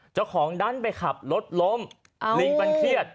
เจ้าของดันไปขับรถล้มลิงมันเครียด